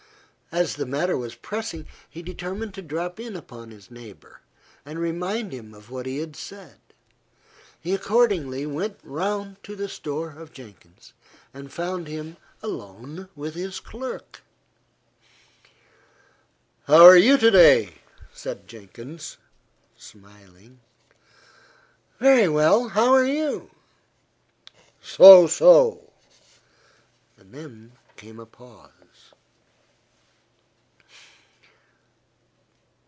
As the matter was pressing, he determined to drop in upon his neighbour, and remind him of what he had said. He accordingly went round to the store of Jenkins, and found him alone with his clerk. "How are you to day?" said Jenkins, smiling. "Very well. How are you?" "So, so." Then came a pause.